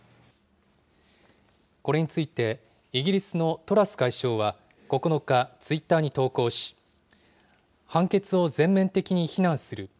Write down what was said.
これについて、イギリスのトラス外相は９日、ツイッターに投稿し、判決を全面的に非難する。